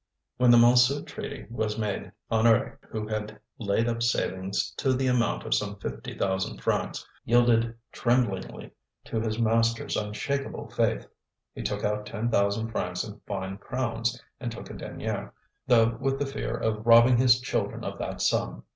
When the Montsou treaty was made, Honoré, who had laid up savings to the amount of some fifty thousand francs, yielded tremblingly to his master's unshakable faith. He took out ten thousand francs in fine crowns, and took a denier, though with the fear of robbing his children of that sum.